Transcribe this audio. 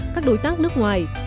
các đối tác nước ngoài